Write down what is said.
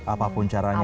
apapun caranya ya